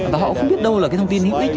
và họ không biết đâu là cái thông tin hữu ích